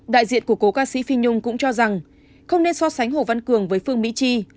đại diện của cố ca sĩ phi nhung cũng cho rằng không nên so sánh hồ văn cường với phương mỹ chi